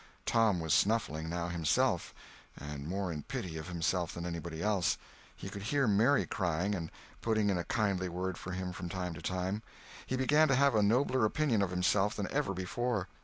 Tom was snuffling, now, himself—and more in pity of himself than anybody else. He could hear Mary crying, and putting in a kindly word for him from time to time. He began to have a nobler opinion of himself than ever before.